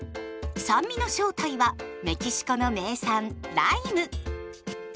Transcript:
酸味の正体はメキシコの名産ライム。